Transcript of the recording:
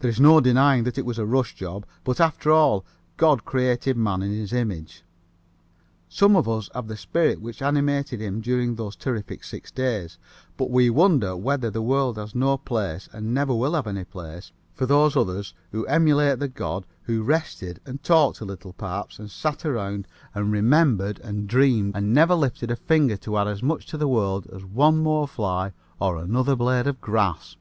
There is no denying that it was a rush job. But, after all, God created man in His image. Some of us have the spirit which animated Him during those terrific six days, but we wonder whether the world has no place, and never will have any place, for those others who emulate the God who rested and talked a little, perhaps, and sat around and remembered and dreamed and never lifted a finger to add as much to the world as one more fly or another blade of grass.